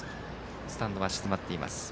スタンドは静まっています。